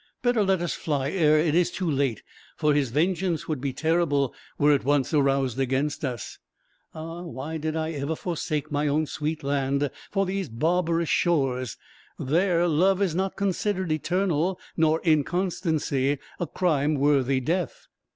Better let us fly ere it is too late, for his vengeance would be terrible were it once aroused against us. Ah, why did I ever forsake my own sweet land for these barbarous shores! There, love is not considered eternal, nor inconstancy a crime worthy death."